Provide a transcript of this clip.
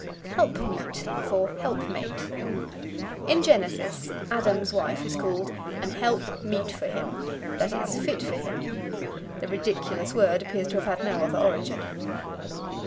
Helpmeet for Helpmate. In Genesis Adam's wife is called "an help meet for him," that is, fit for him. The ridiculous word appears to have had no other origin.